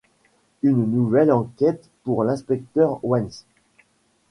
Une nouvelle enquête pour l'inspecteur Wens.